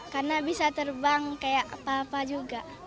karena bisa terbang kayak papa juga